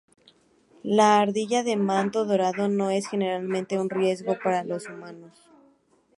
La ardilla de manto dorado no es generalmente un riesgo para los humanos.